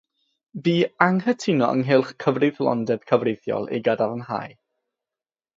Bu anghytuno ynghylch cyfreithlondeb cyfreithiol ei gadarnhau.